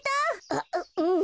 あっうん。